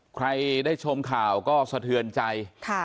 ใครได้ชมข่าวก็สะเทือนใจ